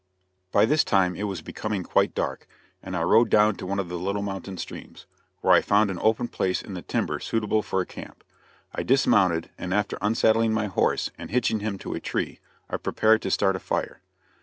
By this time it was becoming quite dark, and I rode down to one of the little mountain streams, where I found an open place in the timber suitable for a camp. I dismounted, and after unsaddling my horse and hitching him to a tree, I prepared to start a fire.